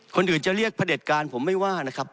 คนอื่นจะเรียกพระเด็จการผมไม่ว่านะครับ